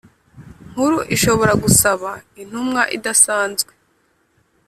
Nkuru ishobora gusaba intumwa idasanzwe